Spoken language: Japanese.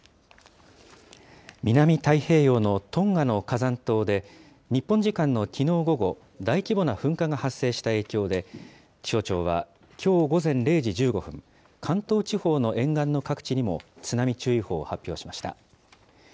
南太平洋のトンガの火山島で、日本時間のきのう午後、大規模な噴火が発生した影響で、気象庁は、きょう午前０時１５分、関東地方の沿岸の各地にも、津波注意報を発表しました。